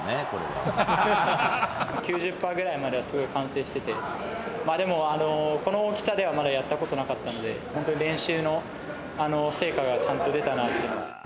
パーぐらいまではすごい完成してて、でも、この大きさでは、まだやったことなかったんで、本当に練習の成果がちゃんと出たなっていう。